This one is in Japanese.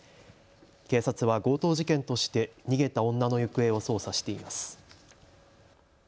警察は強盗事件として逃げた女の行方を捜査しています。